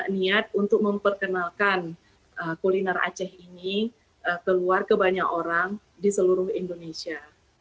niat untuk memperkenalkan kuliner aceh ini keluar ke banyak orang di seluruh indonesia